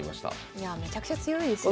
いやあめちゃくちゃ強いですよね。